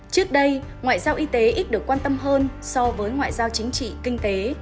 trước đây ngoại giao y tế ít được quan tâm hơn so với ngoại giao chính trị kinh tế